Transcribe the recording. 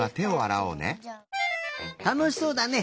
たのしそうだね。